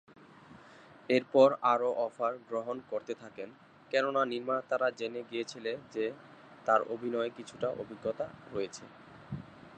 এরপর আরও অফার গ্রহণ করতে থাকেন, কেননা নির্মাতারা জেনে গিয়েছিল যে, তার অভিনয়ের কিছু অভিজ্ঞতা রয়েছে।